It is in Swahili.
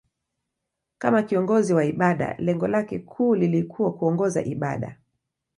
Kama kiongozi wa ibada, lengo lake kuu lilikuwa kuongoza ibada.